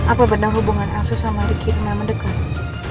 apa bener hubungan elsa sama ricky enggak mendekat